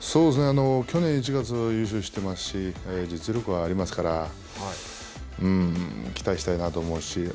去年１月優勝していますし実力はありますから期待したいなと思うし。